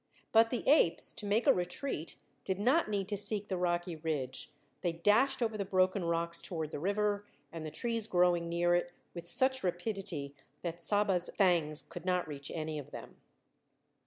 But the apes, to make a retreat, did not need to seek the rocky ridge; they dashed over the broken rocks towards the river and the trees growing near it with such rapidity that Saba's fangs could not reach any of them.